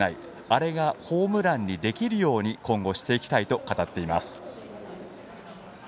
あれがホームランにできるように今後していきたいと語っています。